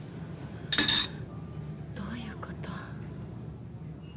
どういうこと？